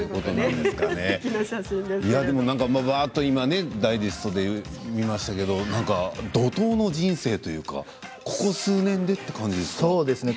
今、ダイジェストで見ましたけど怒とうの人生というかここ数年でという感じですね。